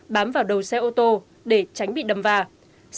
bám vào đầu xe ô tô để tránh bị đâm vào